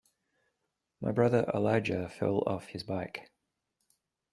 My brother Elijah fell off his bike.